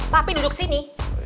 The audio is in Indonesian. papi duduk sini